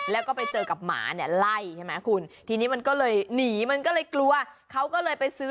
แล้วก็ไปเจอกับหมาเนี่ยไล่ใช่ไหมคุณทีนี้มันก็เลยหนีมันก็เลยกลัวเขาก็เลยไปซื้อ